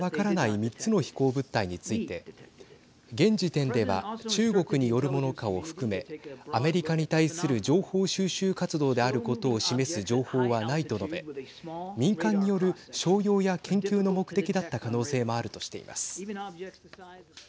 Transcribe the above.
３つの飛行物体について現時点では中国によるものかを含めアメリカに対する情報収集活動であることを示す情報はないと述べ民間による商用や研究の目的だった可能性もあるとしています。